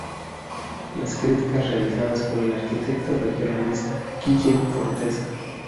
Las críticas realizadas por el arquitecto regionalista Guillem Forteza.